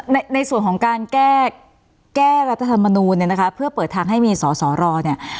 ในส่วนของการแก้แก้รัฐธรรมนูลเนี่ยนะคะเพื่อเปิดทางให้มีสอสอรอเนี่ย